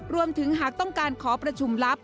รวมถึงหากต้องการขอประชุมลับ